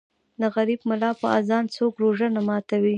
ـ د غریب ملا په اذان څوک روژه نه ماتوي.